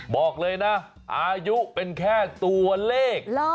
บอกเลยนะอายุเป็นแค่ตัวเลข